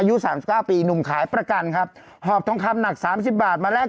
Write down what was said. กลับไปลบไปลูกเคียงกันเราเองนะครับมาครับครับ